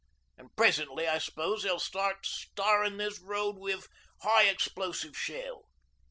An' presently I suppose they'll start starring this road wi' high explosive shell.